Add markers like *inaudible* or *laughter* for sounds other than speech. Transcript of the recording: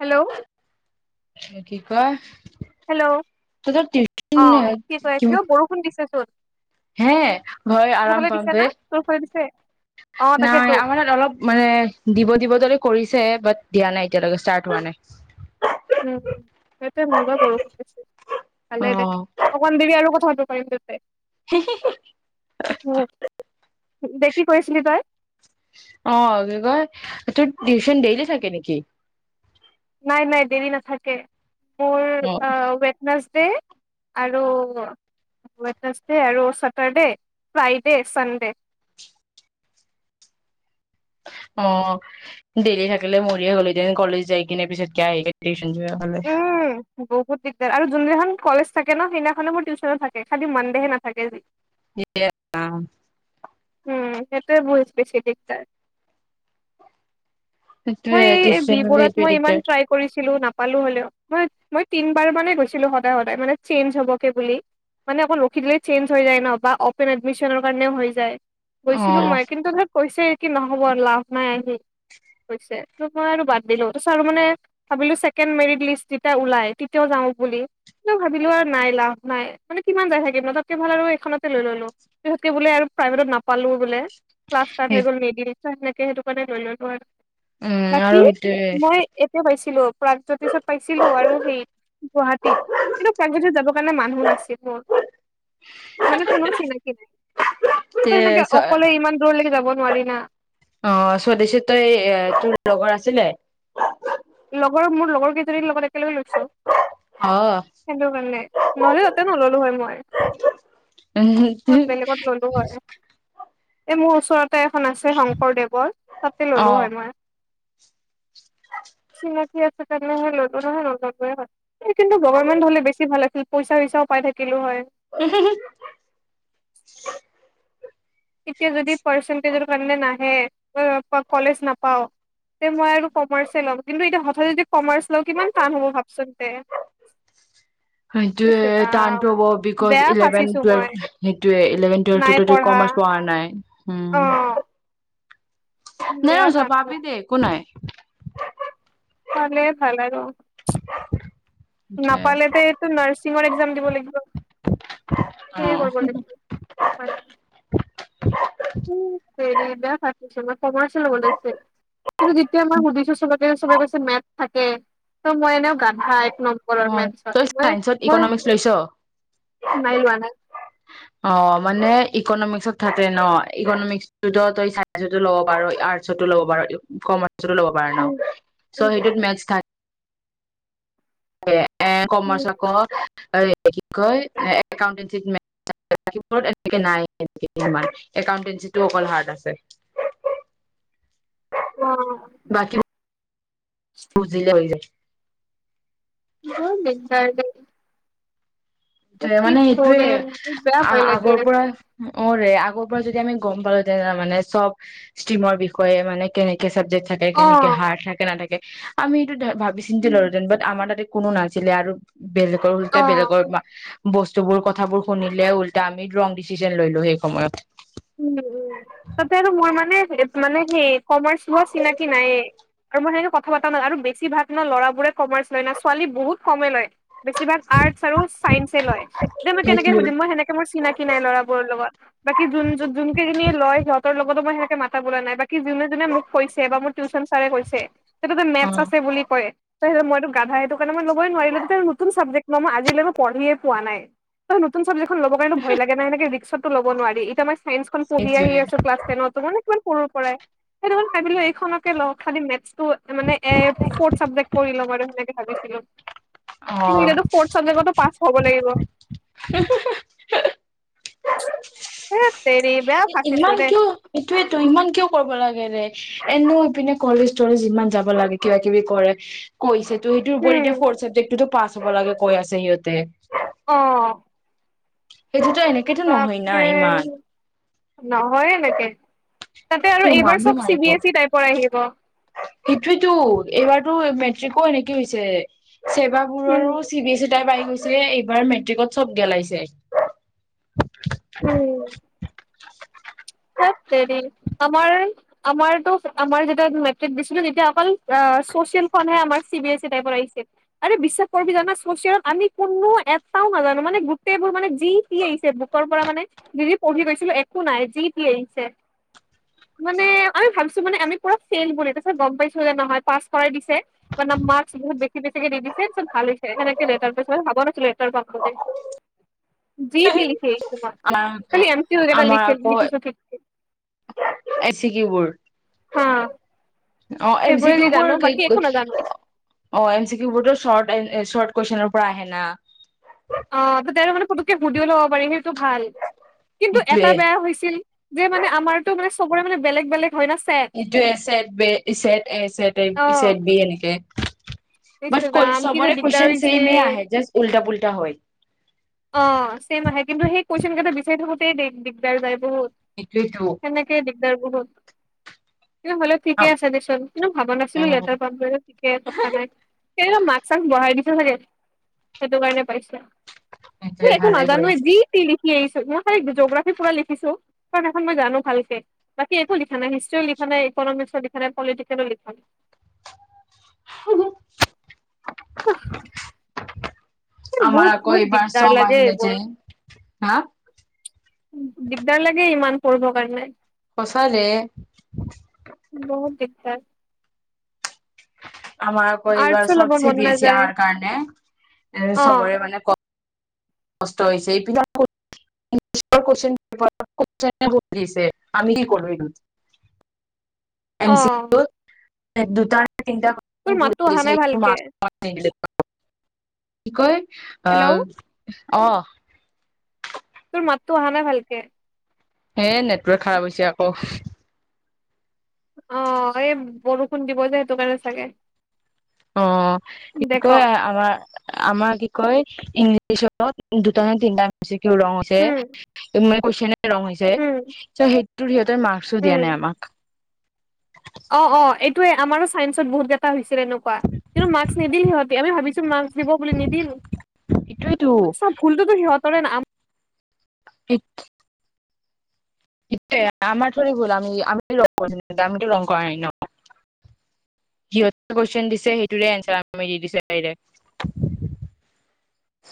Hello. কি কয়? Hello. তহঁতৰ অ' কি কৈ টিউচন আছিলো! অ' বৰষুণ দিছেচোন। হে! ভয়, আৰাম দিছে পাম না বে। তোৰ ফালে দিছে অ তাকেতো নাই আমাৰ অলপ মানে দিব-দিব দৰে কৰিছে। ছে বাট দিয়া নাই এতিয়ালৈকে। ষ্টাৰ্ট হোৱা নাই। উম সেইটোৱে, মোৰ তাত বাৰু বৰষুণ দিছে, অ ভালে দে অকণ দেৰি আৰু কথা পাতি পাৰিম দে তে। উম দে। কি কৈ আছিলি তই? অ' কি কয়, তোৰ টিউচন দেইলি থাকে নেকি? নাই, নাই দেৰি নাথাকে। অ'। ডে' আৰু ওৱেডনেছ ডে' আৰু ছেটাৰডে, ' ফ্ৰাইডে', চানডে' অ' দেৰি থাকিলে মৰিয়ে গলি দে হেতেন, কলেজ যাই কিনে পিছত কিয় আহি হলে উম বহুত দিগদাৰ আৰু যোন দিনাখন কলেজ থাকে ন, সেইদিনাখনে মোৰ টিউচনো থাকে, খালি মনডেহে নাথাকে যি এ অ'। উম, সেইটো বেছি দিগদাৰ। মই সেইটোয়ে এই টিউচন হলে বি-বৰুৱাত এইটোয়ে মই ইমান দিগদাৰ ট্ৰাই কৰিছিলো নাপা পালো হ'লেও মই, মই তিন বাৰ মানে গৈছিলো সদায় সদায় মানে চেঞ্জ হ'বগে বুলি মানে অকণ ৰখি দিলে চেঞ্চ হৈ যায় ন, বা অপেন এডমিছনৰ কাৰণেও হৈ যায়। অ গৈছিলো মই কিন্তু ধৰ কৈছে কি নহ'ব লাভ নাই আহি কৈছে, ত' আৰু মই বাদ দিলো ত' ভাবিলো ছেকেণ্ড মেৰিট লিষ্ট যেতিয়া ওলাই তেতিয়াও যাওঁ বুলি ভাবিলো আৰু নাই লাভ নাই। মানে কিমান যাই থাকিম ন তাতকে ভাল আৰু এইখনতে লৈ ললো। পিছতকে বোলে প্ৰাইভেটত নাপা- পালো বোলে। ক্লাচ ষ্টাৰ্ট হৈ সেই গ'ল মেডিল সেনেকে সেইটো কাৰণে লৈ ললো আৰু উম আৰু বাকী সেইটোয়ে মই এতিয়া পাইছো। কিলো প্ৰাগজ্যোতিষত পাইছিলো আৰু সেই গুৱাহাটীত, কিন্তু প্ৰাগজোতিত যাবৰ কাৰণে মানুহ নাছিল মোৰ মানে কোনো চিনাকি নাই। তে সেনেকে অকলে ইমান দূৰলৈকে যাব নোৱাৰি না ', অ', স্বদেশী তই এ', তোৰ লগৰ আছিলে? লগৰ মোৰ লগৰ কেইজনীৰ লগতে, লৈ লৈছো সেইটো কাৰণে নহলে তাতে নললো হয় মই, অ বেলেগত ললো হয়। এই মোৰ উচৰত, তাতে এখন আছে শংকৰদেৱৰ তাতে ললো অ', হয়, মই। *inaudible* চিনাকি আছে তেনে নহয় ললো নহয়, নললোৱে হয় কিন্তু গভাৰ্তমেণ্ট হলে বেছি ভাল আছিল পইচা- চইচাও পাই থাকিলো হয়। এতিয়া যদি পাৰচেণ্টেজৰ কাৰনে নাহে, কলেজ নাপাও তে, মই আৰু কমাৰ্চে লম কিন্তু এতিয়া হঠাৎ যদি কমাৰ্চ লওঁ কিমান টান হ'ব ভাবচোন তে', ইচ সেইটোৱে ৰাম টানটো হ'ব বিকজ বেয়া ইলেভেন- ফাচিছো মই টোৱেলভ সেইটোয়ে ইলেভেন- টোৱেলভ টোতো কমাৰ্চ পঢ়া নাই। হম, অ নাই বেয়া অ জ টান পাবি হ'ব দে একো নাই। পালে ভাল আৰু। সেইটোৱে। নাপালে তেটো নাৰ্চিঙৰ একজাম দিব লাগিব, সেয়ে অ', কৰিব লাগিব ভালকে। উম ', চেৰি বেয়া ফাট *unintelligible* কমাৰ্চ লব লাগিছিল কিন্তু যেতিয়া মই সুধিছো চবকে, চবে কৈছে মেথ থাকে, ত', মই এনেও গাধাই। অ ', তই চাইন্সত -ইকনমিক্স লৈছ? নাইলোৱা নাই। অ', মানে ইকনমিক্সত থাকে ন ইকনমিক্সতো তই চাইঞ্চটো ল'ব পাৰ, আৰ্টচতো ল'ব পাৰ কমাৰ্চ, টো লব পাৰ ন উম চ উম সেইটো মেটছ থাকেই *unintelligible* এ', উম কমাৰ্চত কৰক এ কি কয় একাউণ্টেঞ্চি *unintelligible* বাকীবোৰ এনেকে নাই তোমাৰ একাউণ্টেঞ্চি টো অকল হাৰ্ড আছে অহ্ বাকী বুজিলে হৈ যায়। বৰ দিগদাৰ দেই। টোৱে কি মানে এইটোয়ে কৰিম মোৰ বেয়া ভয় লাগি আগৰ পৰা। আছে। অৰে, আগৰ পৰা যদি আমি গম পালো হেতেন, তেনেহলে মানে চব ষ্ট্ৰীমৰ বিষয়ে মানে কেনেকে, চাবজেক্ট থাকে, কেনেকে অ', হাৰ্ড থাকে- নাথাকে, আমি ধৰা ভাবি চিন্তি উম। লৰোঁতেন বাত আমাৰ তাতে কোনো নাছিলে আৰু বেলেগৰ হলতে অ'। বেলেগৰ বস্তুবোৰ কথাবোৰ শুনিলে উল্টা আমি ৰং ডিচিচন লৈলো সেই সময়ত উ উম তাতে আৰু মোৰ মানে মানে সেই কমাৰ্চ লোৱা চিনাকি নায়েই আৰু মই সে কথা পাতা নাই আৰু বেছি ভাগ ন লৰাবোৰে কমাৰ্চ লয় না ছোৱালী বহুত কমে লয়। বেছিভাগ আৰ্টচ আৰু চাইঞ্চ লয় দে মই কেনেকে সেইটোৱে সুধিম মই সেনেকে মোৰ চিনাকি নাই ল'ৰাবোৰৰ লগত বাকী যোন যোন কেইজনিয়ে লয় সিহঁতৰ লগৰ সিহতক মই সেকে মাতা বোলা নাই কি যোনে যোনে মোক কৈছে বা মোৰ টিউচন চাৰে কৈছে তাতে অ মেথছ আছে বুলি কয়। ত মইতো গাধা সেইটো কাৰণ মই'লবই নোৱাৰিলো নতুন চাবজেক্ট মই আজিলৈকে মই পঢ়িয়ে পোৱা নাই তই নতুন চাবজেক্টখন ল'ব কাৰণে ভয় লাগে নে এনেকে ৰিস্কতো ল'ব নোৱাৰি, এতিয়া মই চাইন্সখন পঢ়ি সেইটোৱে আহিয়েই আছোঁ ক্লাছ টেনত তো মানে কিমান পঢ়োঁ' পৰাই, ‌ সেইটো কাৰণে ভাবিলে এইখনকে লয় খালি মেথছটো মানে এ ফৰ্থ চাবজেক্ট কৰি লম আৰু সেনেকে ভাবিছিলোঁ। কিন্তু অ এতিয়াটো ফৰ্থ চাবজেক্টতো পাছ হ'ব লাগিব। হুহুহুহু হে তেৰি বেয়া ফাচিছো ইমান দেই কিয়, সেইটোয়েতো ইমান কিয় কৰিব লাগে ৰে? এনেও, ইপিনে কলেজ তলেজ ইমান যাব লাগে, কিবা কিবি কৰে কৈছে ত, ইটো ওপৰি এতিয়া উম ফৰ্থ চাবজেক্টটোতো পাছ হ'ব লাগে কৈ আছে সিহঁতে। অ। সেইটোতো এনেকেতো নহয় না বাপৰে ইমান নহয় এনেকে। তাতে আৰু এইবাৰ মানুহ চব চি মাৰিব বি এছ ই টাইপৰ আহিব? সেইটোৱেতো এইবাৰতো মেট্ৰিকো এনেকে হৈছে। উম ছেবাবোৰৰো C B S E type আহি হৈছে এইবাৰ মেট্ৰিকত চব গেলাইছে। উম। এই হেৰি আমাৰ আমাৰতো আমাৰ যেতিয়া মেট্ৰিক দিছিলোঁ তেতিয়া অকল অ‌ চচিয়েলখনহে আমাৰ চি বি এছ ই টাইপৰ আহিছে, আৰে বিশ্বাস কৰিবি জানা চচিয়েলত আমি কোনো এটাও নাজানোঁ মানে গোটেইবোৰ মানে যিতি আহিছে বুকৰ পৰা মানে যি যি পঢ়ি গৈছিলোঁ একো নাই যি কি আহিছে, মানে আমি ভাবিছোঁ মানে আমি পুৰা ফেইল কৰি তাৰপিছত গম পাইছোঁ যে নহয় পাছ কৰাই দিছে মানে মাৰ্কছ বহুত বেছি বেছি দি দিছে তাৰপিছত ভাল হৈছে সেনেকে লেটাৰ পাইছোঁ, ভাবা নাছিলোঁ লেটাৰ পাম বুলি, যি তি লিখি। *unintelligible* আমাৰ আমাৰ আকৌ এ চি কিউ বোৰ অ অ এম চি কিউবোৰ কি অ এম চি কিউবোৰতো চৰ্ট এ চৰ্ট কুৱেশ্যনৰ পৰা আহে না অ তাতে আৰু মানে পুতুককে সুধিও ল'ব পাৰে সে টো ভাল কিন্তু এটা সেইটোয়ে বেয়া হৈছিল যে মানে আমাৰতো মানে চবৰে মানে বেলেগ বেলেগ হয় না চেট এইটো এ চ এটচ এ অ চচট বি এনেকে ইছ বাট কুৱে ৰাম কি যে চবৰে দিগদাৰ কোৱেশ্যন হৈছে চেইমে আহে জাষ্ট উলটা পুলটা হয় অ চেম আহে কিন্তু সেই কোৱেশ্যন তে বিচাৰি থাকোতেই দিগদাৰ যে বহুত সেইটোয়েতো সেনেকেই দিগদাৰ উহ কিন্তু হ'লেও ঠিকে উম আছে দেচোন কিন্তু ভাবা নাছিলো লেটাৰ পাম ঠিকে কথা নাই তেওলোকে মাৰ্ক্স চাৰ্ক বহাই দিছে হয় নাই সেইটো কাৰণে পাইছে সেইটোৱে তোৰ একো ভালে নজানোৱে কৰিছে যি টি লিখি লিখি আহিছো মই জিঅগ্ৰাফী পুৰা লিখিছো কাৰণ এখন মই জানো ভালকে বাকী একো লিখা নাই হিষ্ট্ৰিও লিখা নাই ইকনমিক্স লিখা নাই পলিটিকেলো লিখা নাই উম আমাৰ বহুত আকৌ বহুত এইবাৰ দিগদাৰ চব লাগে আহিলে যে এইবোৰ হা দিগদাৰ লাগে ইমান কৰিব কাৰণে সচাকে বহুত দিগদাৰ উম আামাৰ আকৌ এইবাৰ আৰ্টছো ল'ব চব চি মন বি এছ ই নাযায় অহাৰ কাৰণে অ চবৰে মানে ক ষ্ট হৈছে এইপিনে আকৌ দিছে কোৱেশন পেপাৰ *unintelligible* আমি কি কৰো এইটোত এম অ চি কিও এক দুটা তিনটা তোৰ ভূল মাততো অহা দিছে নাই ভালকে কি কয় হেল্ল' অ অ তোৰ মাততো অহা নাই ভালকে এ নেটৱৰ্ক খাৰাপ হৈছে আকৌ অ এই বৰষুণ দিব যে সেইটো কাৰণে চাগে অ কি দে ক কয় আমাৰ আমাৰ কি কয় ইংলিছত দুটা না তিনটা মিউজিক কি ৰঙছে উম এ কৈছে নে ৰং হৈছে উম চ সেই *unintelligible* মাৰ্ক্সো দিয়া নাই আমাক অঁ অঁ এইটোয়ে আমাৰো চাইন্স বহুত কেইটা হৈছে ক এনেকোৱা কিন্তু মাক্স নিদিল সিহঁতে আমি ভাবিছো মাক্স দিব বুলি নিদিল সেইটোৱেতো চ ভুলতোতো কাৰ এক সেটোৱে আমাৰ থৰি গোলামী আমি আমাৰ আমিতো ৰং কৰা নাই ন সিহতে কুৱেশন দিছে সেইটোৰে এনচাৰ দি দিছো ব